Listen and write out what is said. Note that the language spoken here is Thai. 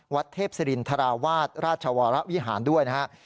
วัดเทพศิรินทราวาสราชวรวิหารด้วยนะครับ